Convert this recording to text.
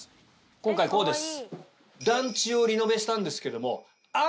今回こうです。